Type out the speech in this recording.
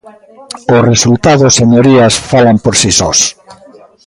Os resultados, señorías, falan por si sós.